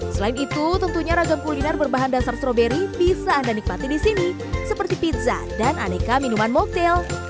selain itu tentunya ragam kuliner berbahan dasar stroberi bisa anda nikmati di sini seperti pizza dan aneka minuman modetail